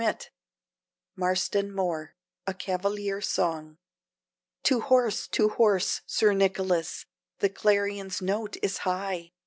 Tennyson MARSTON MOOR (A Cavalier Song) To horse! to horse! Sir Nicholas, the clarion's note is high!